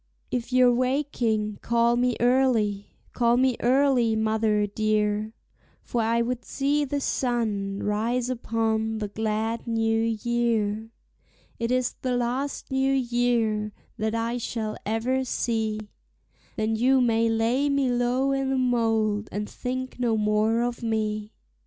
If you're waking, call me early, call me early, mother dear, For I would see the sun rise upon the glad new year. It is the last new year that I shall ever see, Then you may lay me low i' the mold, and think no more of me.